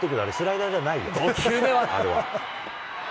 ５球目は。